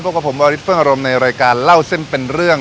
กับผมวาริสเฟื้องอารมณ์ในรายการเล่าเส้นเป็นเรื่อง